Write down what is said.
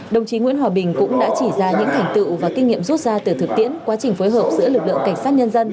đồng chí nguyễn hòa bình cũng đã chỉ ra những thành tựu và kinh nghiệm rút ra từ thực tiễn quá trình phối hợp giữa lực lượng cảnh sát nhân dân